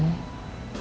setiap kali menjelaskan